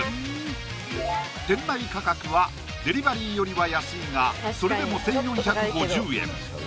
店内価格はデリバリーよりは安いがそれでも１４５０円